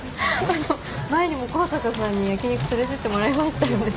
前にも高坂さんに焼き肉連れてってもらいましたよね。